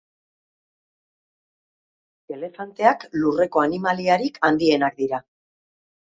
Elefanteak lurreko animaliarik handienak dira.